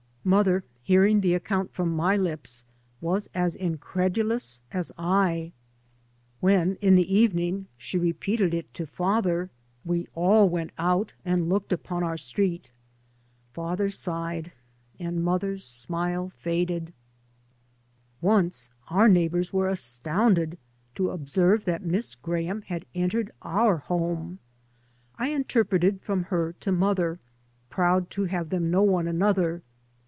Mother, hearing the account from my lips, was as incredulous as I. When in the evening she repeated it [6i] D.D.t.zea by Google MY MOTHER AND I to father, we all went out and looked upon our street. Father sighed, and mother's smile faded. Once our neighbours were astounded to observe that Miss Graham had entered our home. I interpreted from her to mother, proud to have them know one another.